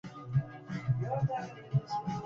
Por el contrario, Smetana quería un trato menos grave.